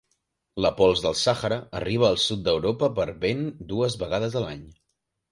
La pols del Sahara arriba al sud d'Europa per vent dues vegades a l'any.